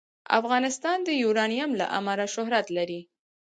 افغانستان د یورانیم له امله شهرت لري.